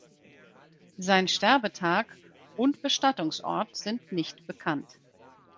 Sein Sterbetag und Bestattungsort sind nicht bekannt.